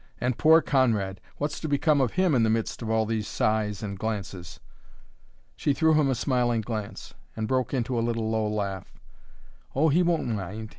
"And poor Conrad! What's to become of him in the midst of all these sighs and glances?" She threw him a smiling glance, and broke into a little, low laugh. "Oh, he won't mind!